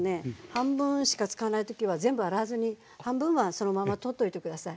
半分しか使わない時は全部洗わずに半分はそのまま取っておいて下さい。